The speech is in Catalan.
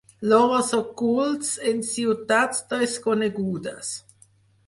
Lloros ocults en ciutats desconegudes.